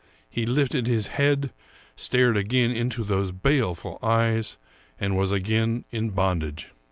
He lifted his head, stared again into those baleful eyes, and was again in bondage.